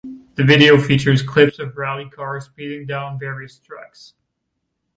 The video features clips of rally cars speeding down various tracks.